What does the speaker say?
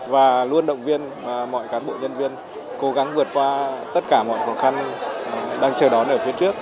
và luôn động viên mọi cán bộ nhân viên cố gắng vượt qua tất cả mọi khó khăn đang chờ đón ở phía trước